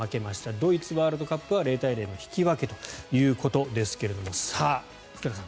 ドイツワールドカップは０対０の引き分けということですがさあ、福田さん